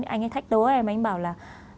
anh ấy thách đố em anh ấy bảo là